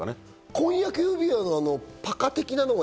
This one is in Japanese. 婚約指輪のパカッ的なのは？